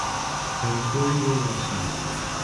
Her crew were rescued.